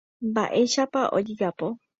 Mba'éicha ojejapo.